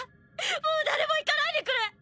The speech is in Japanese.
もう誰も逝かないでくれ。